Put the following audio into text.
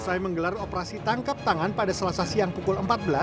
usai menggelar operasi tangkap tangan pada selasa siang pukul empat belas